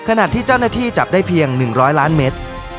ขณะที่เจ้าหน้าที่จับได้เพียง๑๐๐ล้านเมตร